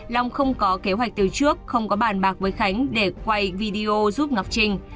long không có kế hoạch từ trước không có bàn bạc với khánh để quay video giúp ngọc trinh